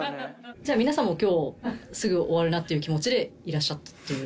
じゃあ皆さんも今日すぐ終わるなっていう気持ちでいらっしゃったっていう。